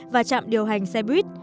và trạm điều hành xe buýt